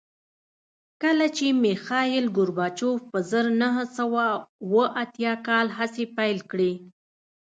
کله چې میخایل ګورباچوف په زر نه سوه اووه اتیا کال هڅې پیل کړې